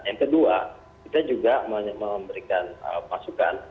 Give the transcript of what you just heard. yang kedua kita juga memberikan masukan